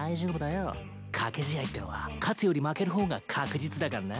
賭け試合ってのは勝つより負ける方が確実だかんな。